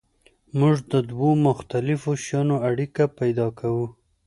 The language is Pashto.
موږ د دوو مختلفو شیانو اړیکه پیدا کوو.